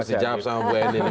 ini harus dijawab sama bu eni nih